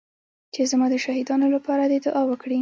چې زما د شهيدانو لپاره دې دعا وکړي.